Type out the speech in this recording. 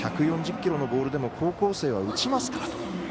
１４０キロのボールでも高校生は打ちますからと。